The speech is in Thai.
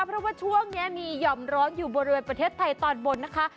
เพราะว่าช่วงนี้มีหย่อมร้อนอยู่บริเวณประเทศไทยตอนบนนะคะ